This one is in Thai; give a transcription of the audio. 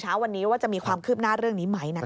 เช้าวันนี้ว่าจะมีความคืบหน้าเรื่องนี้ไหมนะคะ